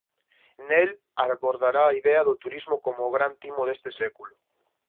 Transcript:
Nel abordará a idea "do turismo como o gran timo deste século".